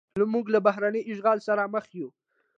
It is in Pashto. موږ له بهرني اشغال سره مخ یو.